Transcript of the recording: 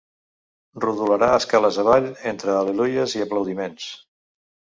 Rodolarà escales avall entre al·leluies i aplaudiments.